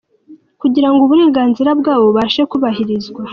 Kugira ngo uburenganzira bwabo bubashe kubahirizwa.